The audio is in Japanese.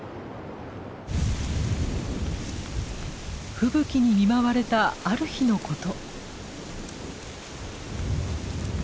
吹雪に見舞われたある日のこと。